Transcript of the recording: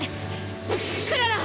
クララッ！